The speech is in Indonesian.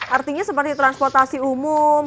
artinya seperti transportasi umum